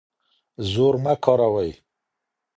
زور مه کاروئ.